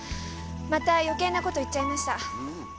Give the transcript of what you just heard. また余計なこと言っちゃいました。